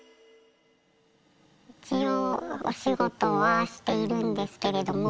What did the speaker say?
一応お仕事はしているんですけれども。